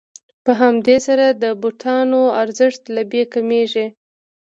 په همدې سره د بوټانو ارزښت له بیې کمېږي